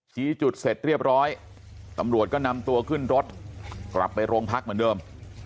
ชี้จุดเสร็จเรียบร้อยตำรวจก็นำตัวขึ้นรถกลับไปโรงพักเหมือนเดิม